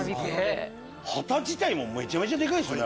旗自体もめちゃめちゃでかいですよね。